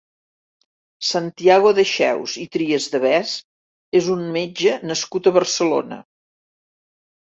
Santiago Dexeus i Trias de Bes és un metge nascut a Barcelona.